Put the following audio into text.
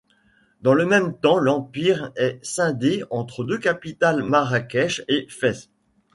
Dans le même temps l’empire est scindé entre deux capitales Marrakech et Fès.